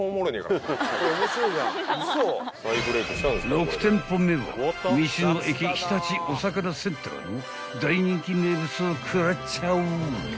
［６店舗目は道の駅日立おさかなセンターの大人気名物を食らっちゃう］